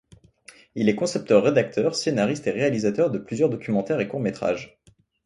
Il est concepteur-rédacteur, scénariste et réalisateur de plusieurs documentaires et courts métrages.